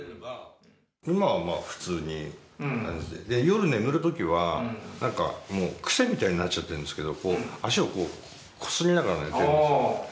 今は普通の感じで、夜眠るときには、何かクセみたいになっちゃっているんですけど、足をこすりながら寝てるんですよ。